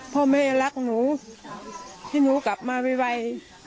พ่อแม่รักหนูที่หนูกลับมาไว